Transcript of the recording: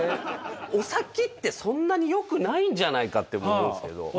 お先ってそんなに良くないんじゃないかって僕思うんですけど。